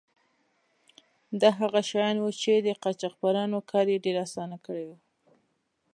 دا هغه شیان وو چې د قاچاقبرانو کار یې ډیر آسانه کړی و.